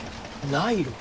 ナイロン。